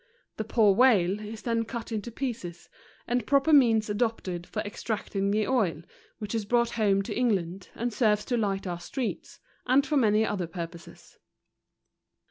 The poor whale is then cut into pieces, and proper means adopted for ex¬ tracting the oil, which is brought home to Eng¬ land and serves to light our streets, and for many other purposes.